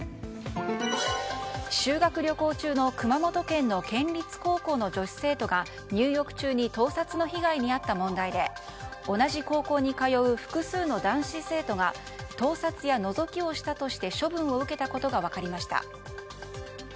修学旅行中の熊本県の県立高校の女子生徒が入浴中に盗撮の被害に遭った問題で同じ高校に通う複数の男子生徒が盗撮やのぞきをしたとして処分を受けたことが分かりました。